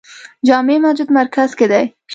جامع مسجد مرکز کې دی